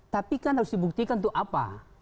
tapi kan harus dibuktikan untuk apa